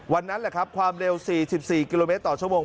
นั่นแหละครับความเร็ว๔๔กิโลเมตรต่อชั่วโมง